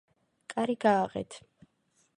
კარი გააღეთ!